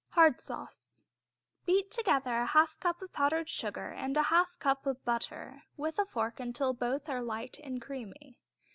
Hard Sauce Beat together a half cup of powdered sugar and a half cup of butter with a fork till both are light and creamy.